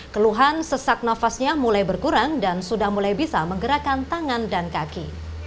keluhan sesak nafasnya mulai berkurang dan sudah mulai bisa menggerakkan tangan dan kaki